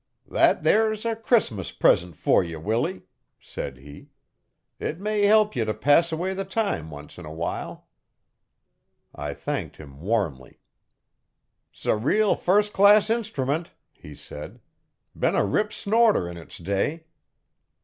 'There that's a Crissmus present fer ye, Willie,' said he. 'It may help ye t' pass away the time once in a while.' I thanked him warmly. ''S a reel firs' class instrument,' he said. 'Been a rip snorter 'n its day.'